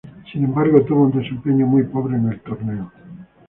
Sin embargo tuvo un desempeño muy pobre en el torneo.